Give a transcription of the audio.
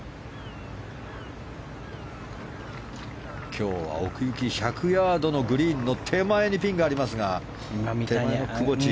今日は奥行き１００ヤードのグリーンの手前にピンがありますが、窪地。